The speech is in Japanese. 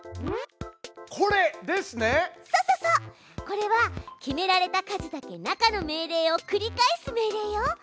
これは決められた数だけ中の命令を繰り返す命令よ。